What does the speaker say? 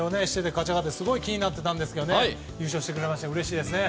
勝ち上がってすごい気になってたんですが優勝してくれてうれしいです。